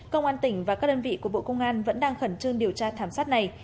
công an tỉnh và các đơn vị của bộ công an vẫn đang khẩn trương điều tra thảm sát này